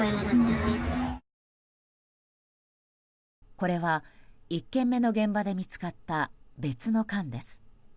これは１件目の現場で見つかった、別の缶です。